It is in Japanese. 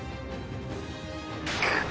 くっ。